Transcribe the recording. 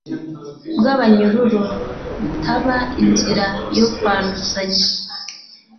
bw'abanyururu butaba inzira yo kwanduzanya.